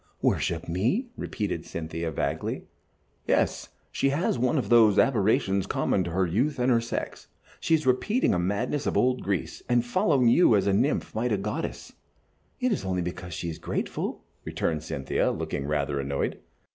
"Worship me?" repeated Cynthia, vaguely. "Yes, she has one of those aberrations common to her youth and her sex. She is repeating a madness of old Greece, and following you as a nymph might a goddess." "It is only because she is grateful," returned Cynthia, looking rather annoyed.